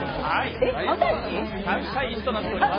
３対１となっております。